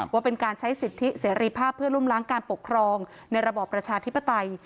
ว่าเป็นการใช้สิทธิเสรีภาพเพื่อลุ่มล้างการปกครองในระบอบประชาธิปไตย